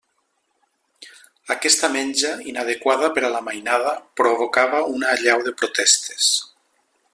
Aquesta menja, inadequada per a la mainada, provocava una allau de protestes.